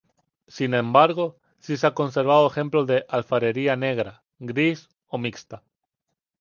Sin embargo sí se han conservado ejemplos de alfarería negra, gris o mixta.